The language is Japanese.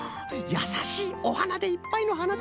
やさしいおはなでいっぱいのはなたばな。